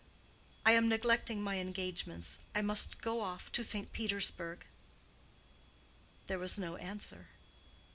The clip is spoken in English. I am neglecting my engagements. I must go off to St. Petersburg." There was no answer.